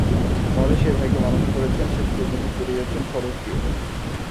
নরেশ এই ভাইকে মানুষ করেছেন, শেষ পর্যন্ত পড়িয়েছেন খরচ দিয়ে।